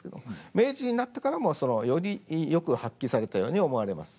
明治になってからもよりよく発揮されたように思われます。